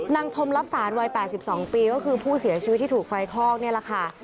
ชมรับสารวัย๘๒ปีก็คือผู้เสียชีวิตที่ถูกไฟคลอกนี่แหละค่ะ